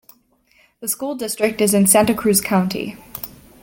The school district is in Santa Cruz County.